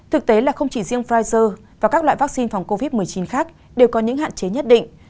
thực tế là không chỉ riêng pfizer và các loại vaccine phòng covid một mươi chín khác đều có những hạn chế nhất định